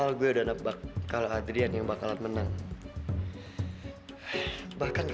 lang lo tuh kenapa sih